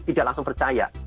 tidak langsung percaya